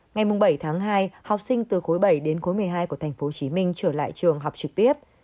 ngày bảy tháng hai học sinh từ khối bảy đến cuối một mươi hai của tp hcm trở lại trường học trực tiếp